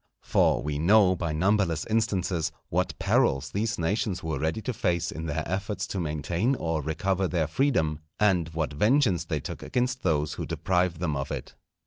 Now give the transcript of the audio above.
For we know by numberless instances, what perils these nations were ready to face in their efforts to maintain or recover their freedom, and what vengeance they took against those who deprived them of it.